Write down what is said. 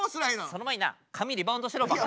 その前にな髪リバウンドしろバカ。